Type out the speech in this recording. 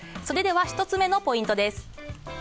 それでは１つ目のポイントです。